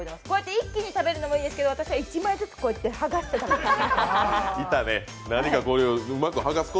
こうやって一気に食べるのもいいですけど、私は１枚ずつはがして食べてました。